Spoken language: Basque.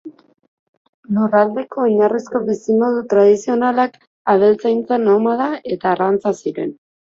Lurraldeko oinarrizko bizimodu tradizionalak abeltzaintza nomada eta arrantza ziren.